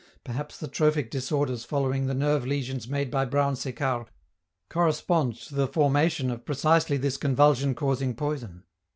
Perhaps the trophic disorders following the nerve lesions made by Brown Séquard correspond to the formation of precisely this convulsion causing poison.